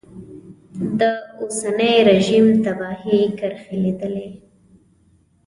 د اوسني رژیم تباهي کرښې لیدلې.